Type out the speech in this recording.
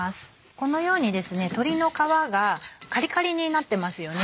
このように鶏の皮がカリカリになってますよね。